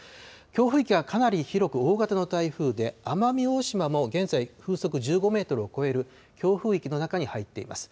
強風域がかなり広く、大型の台風で、奄美大島も現在、風速１５メートルを超える強風域の中に入っています。